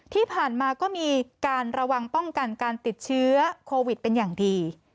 ที่ผ่านมาก็มีการระวังป้องกันการติดเชื้อโควิดเป็นอย่างดี